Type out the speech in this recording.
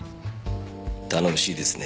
頼もしいですね。